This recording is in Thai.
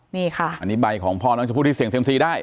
นี่ค่ะอันนี้ใบของพ่อน้องชมพู่ที่เสี่ยมซีได้